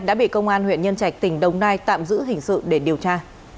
đã bị công an huyện nhân trạch tỉnh đồng nai tạm giữ hình sự để điều tra